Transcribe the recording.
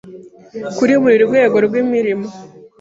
Kuri buri rwego rw’imirimo